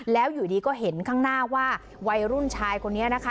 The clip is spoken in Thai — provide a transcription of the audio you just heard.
แล้วอยู่ดีก็เห็นข้างหน้าว่าวัยรุ่นชายคนนี้นะคะ